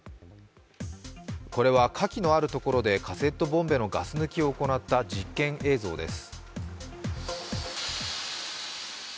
これは火気のあるところでカセットボンベのガス抜きを行った実験映像です。